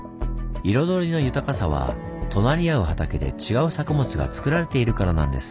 彩りの豊かさは隣り合う畑で違う作物が作られているからなんです。